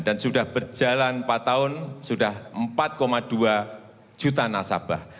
dan sudah berjalan empat tahun sudah empat dua juta nasabah